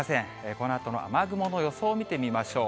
このあとの雨雲の予想を見てみましょう。